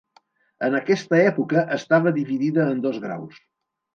En aquesta època estava dividida en dos graus: